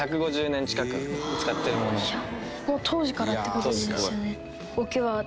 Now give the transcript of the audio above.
もう当時からって事ですよね。